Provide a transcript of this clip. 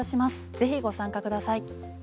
ぜひご参加ください。